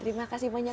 terima kasih banyak